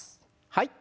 はい。